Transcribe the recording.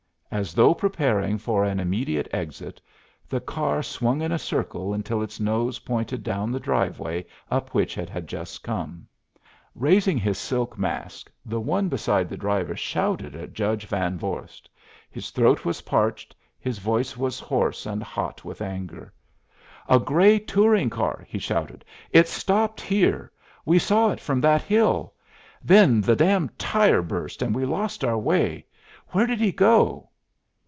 As though preparing for an immediate exit, the car swung in a circle until its nose pointed down the driveway up which it had just come. Raising his silk mask the one beside the driver shouted at Judge Van Vorst. His throat was parched, his voice was hoarse and hot with anger. "A gray touring car," he shouted. "It stopped here. We saw it from that hill. Then the damn tire burst, and we lost our way. Where did he go?"